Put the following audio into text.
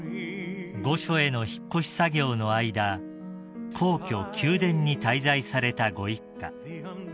［御所への引っ越し作業の間皇居宮殿に滞在されたご一家］